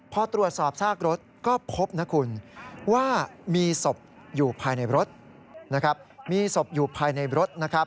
พอตรวจสอบซากรถก็พบนะคุณว่ามีศพอยู่ภายในรถ